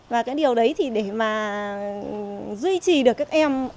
và cái điều đấy thì để mà duy trì được các em